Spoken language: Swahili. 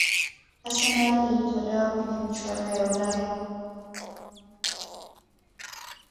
arsenal ilitolewa kwenye michuano ya ulaya